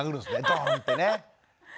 ドーンってね。